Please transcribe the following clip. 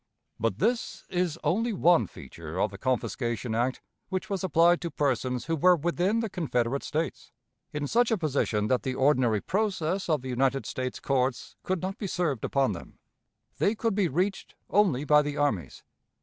But this is only one feature of the confiscation act which was applied to persons who were within the Confederate States, in such a position that the ordinary process of the United States courts could not be served upon them. They could be reached only by the armies.